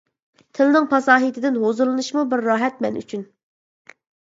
تىلنىڭ پاساھىتىدىن ھۇزۇرلىنىشمۇ بىر راھەت مەن ئۈچۈن.